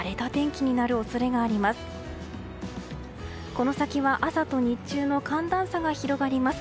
この先は朝と日中の寒暖差が広がります。